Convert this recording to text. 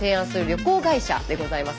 旅行会社でございます。